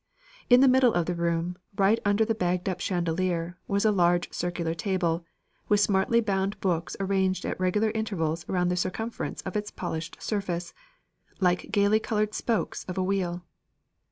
In the middle of the room, right under the bagged up chandelier, was a large circular table, with smartly bound books arranged at regular intervals round the circumference of its polished surface, like gaily coloured spokes of a wheel.